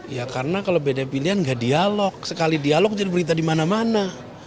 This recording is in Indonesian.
ya karena kalau beda pilihan nggak dialog sekali dialog jadi berita di mana mana